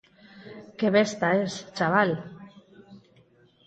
_¡Que besta es, chaval!